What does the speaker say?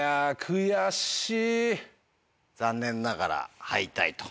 残念ながら敗退と。